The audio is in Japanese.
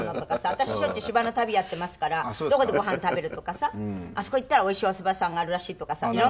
私しょっちゅう芝居の旅やっていますからどこでご飯食べるとかさあそこ行ったらおいしいおそば屋さんがあるらしいとかさ色んな。